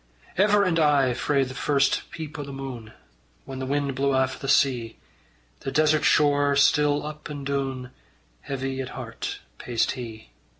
Ever and aye frae first peep o' the moon, Whan the wind blew aff o' the sea, The desert shore still up and doon Heavy at heart paced he.